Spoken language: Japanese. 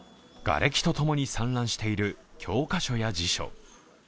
がれきと共に散乱している教科書や辞書。